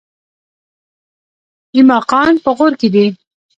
ایماقان په غور کې دي؟